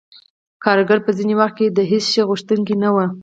کارګر به ځینې وخت د هېڅ شي غوښتونکی نه وو